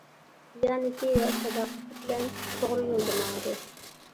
دىيانىتى ۋە ساداقىتى بىلەن توغرا يولدا ماڭىدۇ.